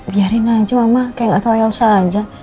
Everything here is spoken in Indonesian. biarin aja mama kayak gak tau elsa aja